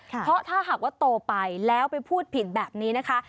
เพราะถ้าหากว่าโตไปแล้วไปพูดผิดแบบนี้นะคะ